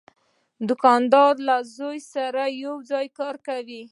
دوکاندار له زوی سره یو ځای کار کوي.